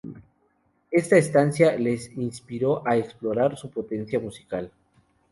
Esta instancia les inspiró a explorar su potencia musical.